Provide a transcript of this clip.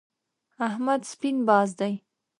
احمد سپين باز دی.